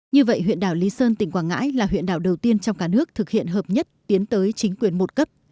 như vậy huyện đảo lý sơn tỉnh quảng ngãi là huyện đảo đầu tiên trong cả nước thực hiện hợp nhất tiến tới chính quyền một cấp